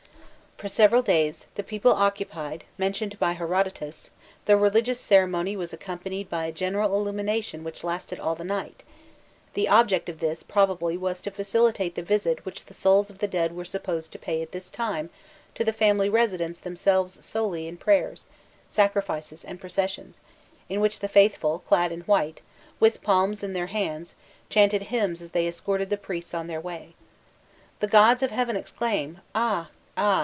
For several days the people occupied mentioned by Herodotus, the religious ceremony was accompanied by a general illumination which lasted all the night; the object of this, probably, was to facilitate the visit which the souls of the dead were supposed to pay at this time to the family residence themselves solely in prayers, sacrifices, and processions, in which the faithful, clad in white, with palms in their hands, chanted hymns as they escorted the priests on their way. "The gods of heaven exclaim 'Ah! ah!